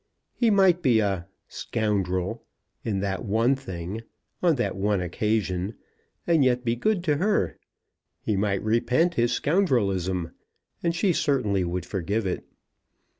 He might be a scoundrel in that one thing, on that one occasion, and yet be good to her. He might repent his scoundrelism, and she certainly would forgive it.